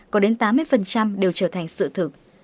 có đến tám mươi đều trở thành sự thực